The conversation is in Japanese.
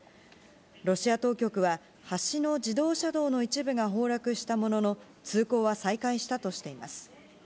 ロシア当局は、橋の自動車道の一部が崩落したものの、通行は再開したとしています。